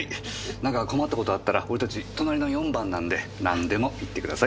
なんか困った事あったら俺たち隣の４番なんでなんでも言ってください。